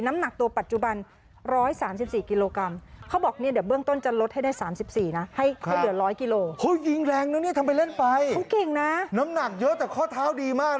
น้ำหนักเยอะแต่ข้อเท้าดีมาก